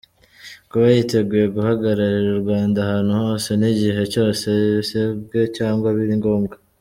Kuba yiteguye guhagararira u Rwanda ahantu hose n’igihe cyose abisabwe cyangwa biri ngombwa;.